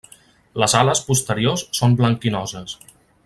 Les ales posteriors són blanquinoses.